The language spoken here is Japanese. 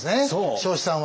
彰子さんは。